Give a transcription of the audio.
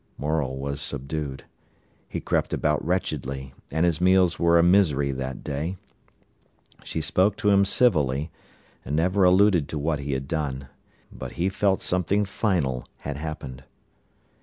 Morel was subdued. He crept about wretchedly, and his meals were a misery that day. She spoke to him civilly, and never alluded to what he had done. But he felt something final had happened.